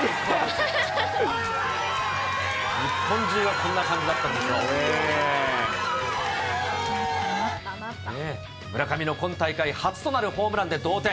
日本中がこんな感じだったん村上の今大会初となるホームランで同点。